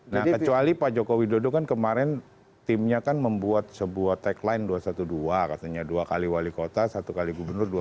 nah kecuali pak joko widodo kan kemarin timnya kan membuat sebuah tagline dua ratus dua belas katanya dua kali wali kota satu kali gubernur dua puluh